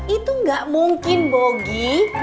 itu gak mungkin bogi